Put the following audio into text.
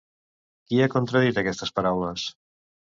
Qui ha contradit aquestes paraules?